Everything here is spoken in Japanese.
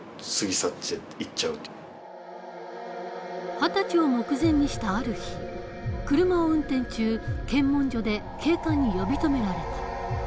二十歳を目前にしたある日車を運転中検問所で警官に呼び止められた。